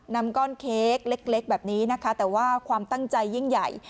นำก้อนเค้กเล็กแบบนี้นะคะแต่ว่าความตั้งใจยิ่งใหญ่